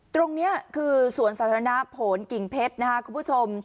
ตรงนี้คือสวนสาธารณะโผล่กิ่งเพชร